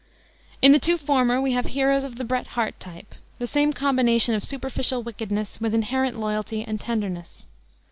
In the two former we have heroes of the Bret Harte type, the same combination of superficial wickedness with inherent loyalty and tenderness.